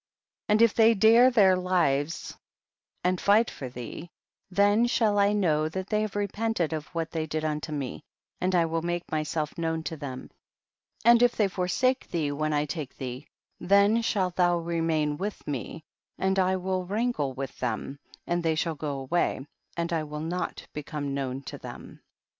22. And if they dare their lives and fight for thee, then shall I know that they have repented of what they did unto me, and 1 will make myself known to them, and if they forsake thee when I take thee, then shalt thou remain with me, and I will wrangle with them, and they shall go away, and I will not become known to them.